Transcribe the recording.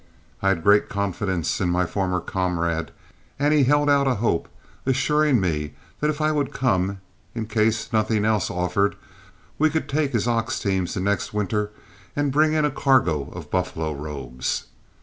I had great confidence in my former comrade, and he held out a hope, assuring me that if I would come, in case nothing else offered, we could take his ox teams the next winter and bring in a cargo of buffalo robes.